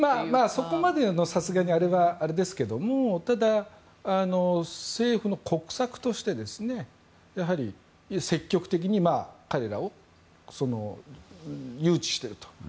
そこまでのさすがに、あれはあれですがただ、政府の国策として積極的に彼らを誘致していると。